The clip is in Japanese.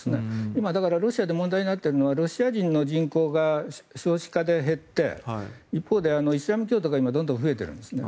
今ロシアで問題になっているのはロシア人の人口が少子化で減って一方でイスラム教徒が今、どんどん増えてるんですね。